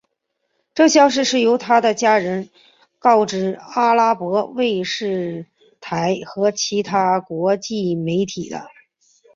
这消息是由他的家人告知阿拉伯卫视台和其他国际媒体的。